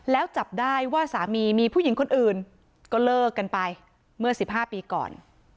แล้วจับได้ว่าสามีมีผู้หญิงคนอื่นก็เลิกกันไปเมื่อ๑๕ปีก่อน